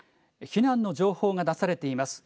避難の情報が出されています。